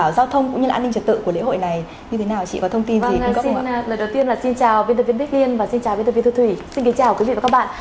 xin chào quý vị và các bạn